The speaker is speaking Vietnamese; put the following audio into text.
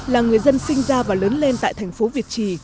là người dân sinh ra và lớn lên tại thành phố việt trì